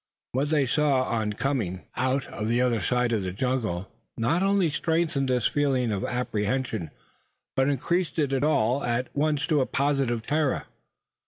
What they saw on coming out on the other side of the jungle not only strengthened this feeling of apprehension, but increased it all at once to a positive terror.